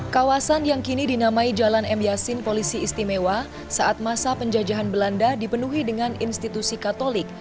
kawasan yang kini dinamai jalan m yasin polisi istimewa saat masa penjajahan belanda dipenuhi dengan institusi katolik